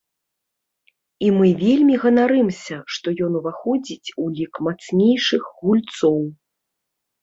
І мы вельмі ганарымся, што ён уваходзіць у лік мацнейшых гульцоў.